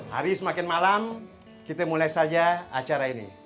hari semakin malam kita mulai saja acara ini